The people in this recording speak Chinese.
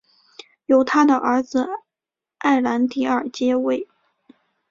由他的儿子埃兰迪尔接位。